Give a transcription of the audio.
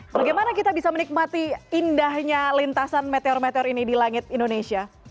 bagaimana kita bisa menikmati indahnya lintasan meteor meteor ini di langit indonesia